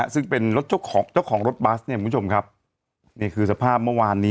ซึ่งเป็นเจ้าของรถบัสคือสภาพเมื่อวานนี้